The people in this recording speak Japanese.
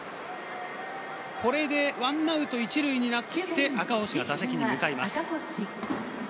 これで１アウト１塁になって赤星が打席に向かいます。